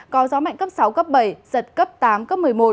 có gió mạnh cấp sáu cấp bảy giật cấp tám cấp một mươi một